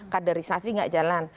kaderisasi tidak jalan